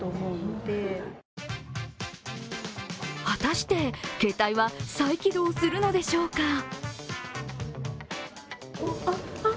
果たして、ケータイは再起動するのでしょうか？